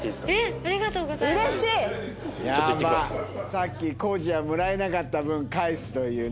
さっきコージはもらえなかった分返すというね。